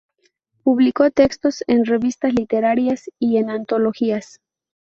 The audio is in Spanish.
Publicó textos en revistas literarias y en antologías.